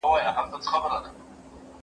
د زړه خواهشاتو ته ارزښت نه ورکول کېږي.